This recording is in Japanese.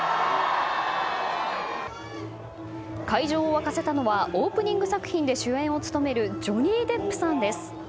会場を沸かせたのはオープニング作品で主演を務めるジョニー・デップさんです。